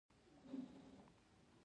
د کابل بازان مشهور دي